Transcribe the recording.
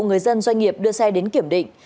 người dân doanh nghiệp đưa xe đến kiểm định